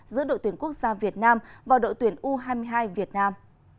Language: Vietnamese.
giữa đội tuyển quốc gia việt nam và đội tuyển u hai mươi hai việt nam